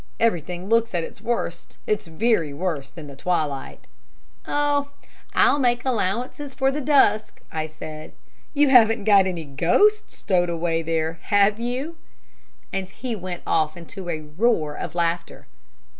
Everything looks at its worst its very worst in the twilight." "Oh, I'll make allowances for the dusk," I said. "You haven't got any ghosts stowed away there, have you?" And he went off into a roar of laughter.